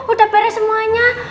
udah beres semuanya